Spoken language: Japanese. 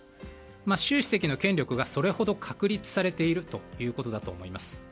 習主席の権力がそれほど確立されているということだと思います。